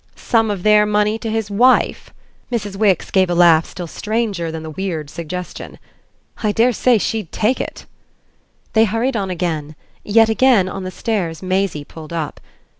"Some of their money to his wife?" Mrs. Wix pave a laugh still stranger than the weird suggestion. "I dare say she'd take it!" They hurried on again; yet again, on the stairs, Maisie pulled up.